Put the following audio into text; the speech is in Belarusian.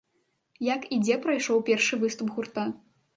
Як і дзе прайшоў першы выступ гурта?